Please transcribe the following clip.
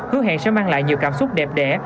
hứa hẹn sẽ mang lại nhiều cảm xúc đẹp đẽ